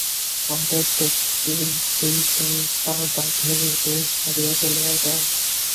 অতএব তল্পিতল্পা বাঁধিয়া এ দেশ ছাড়িয়া চলিয়া যাও।